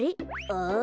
ああ。